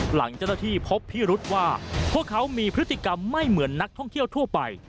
หลังเจ้าหน้าที่พบพิรุษว่าพวกเขามีพฤติกรรมไม่เหมือนนักท่องเที่ยวทั่วไป